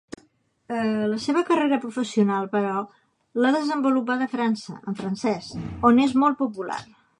La seva carrera professional però, l'ha desenvolupada a França, en francès, on és molt popular.